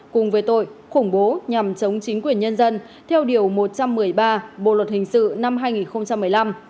cùng về tội khủng bố nhằm chống chính quyền nhân dân theo điều một trăm một mươi ba bộ luật hình sự năm hai nghìn một mươi năm